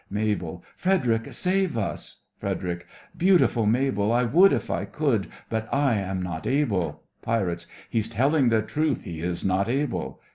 MABEL: Frederic, save us! FREDERIC: Beautiful Mabel, I would if I could, but I am not able. PIRATES: He's telling the truth, he is not able.